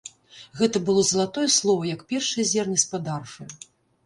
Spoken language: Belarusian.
Гэта было залатое слова, як першае зерне з-пад арфы.